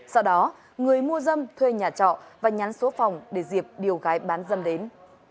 sau đó người mua dâm thuê nhà trọ và nhắn số phòng để dịp điều gái bán dâm đến